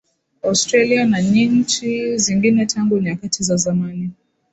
Australia na nchi zingine Tangu nyakati za zamani